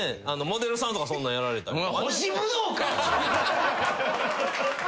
モデルさんとかそんなんやられたり。